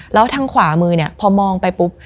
แล้วทางขวามือเนี่ยพอมองไปปุ๊บ